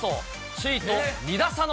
首位と２打差の